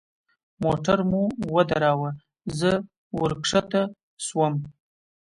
موټر مو ودراوه زه ورکښته سوم.